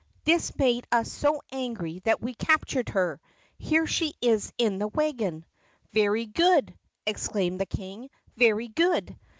This made us so angry that we captured her. Here she is in the wagon." "Very good!" exclaimed the King. "Very good!